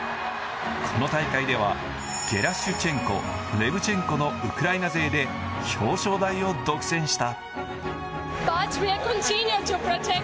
この大会ではゲラシュチェンコ、レブチェンコのウクライナ勢で表彰台を独占した。